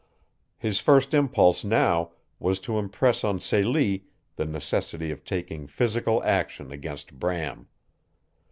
His first impulse now was to impress on Celie the necessity of taking physical action against Bram.